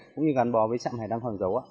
cũng như gắn bó với trạng hải đăng hoàng giấu